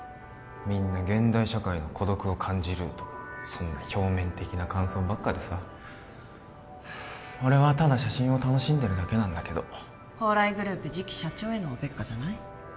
みんな「現代社会の孤独を感じる」とかそんな表面的な感想ばっかでさ俺はただ写真を楽しんでるだけなんだけど宝来グループ次期社長へのおべっかじゃない？